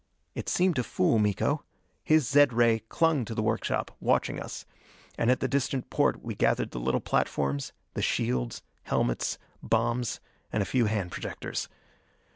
It seemed to fool Miko. His zed ray clung to the workshop, watching us. And at the distant porte we gathered the little platforms, the shields, helmets, bombs, and a few hand projectors.